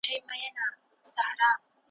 چي د دې په بچو موړ وو پړسېدلې,